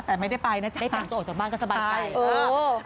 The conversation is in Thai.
แต่ไม่ได้ไปนะจะได้แต่งตัวออกจากบ้านก็สบายใจ